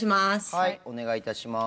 はいお願い致します。